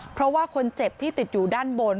เพราะว่าคนเจ็บที่ติดอยู่ด้านบน